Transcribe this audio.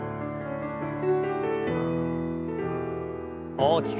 大きく。